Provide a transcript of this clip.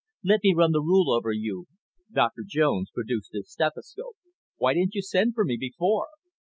"Let me run the rule over you." Doctor Jones produced his stethoscope. "Why didn't you send for me before?"